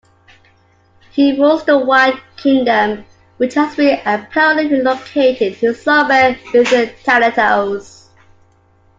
He rules the White Kingdom, which has been apparently relocated to somewhere within Thanatos.